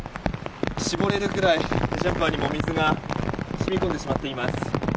絞れるくらいジャンパーにも水が染み込んでしまっています。